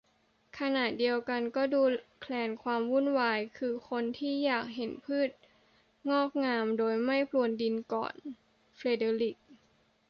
ขณะเดียวกันก็ดูแคลนความวุ่นวาย คือคนที่อยากเห็นพืชพันธุ์งอกงามโดยไม่พรวนดินก่อน - เฟรเดอริค